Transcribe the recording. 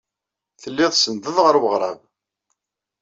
Telliḍ tsenndeḍ ɣer weɣrab.